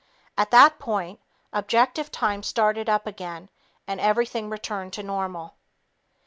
At that point, objective time started up again and everything returned to normal.